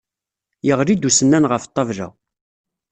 Yeɣli-d usennan ɣef ṭṭabla.